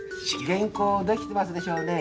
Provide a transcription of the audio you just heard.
・原稿できてますでしょうね。